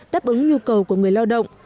đáp ứng nhu cầu của người lao động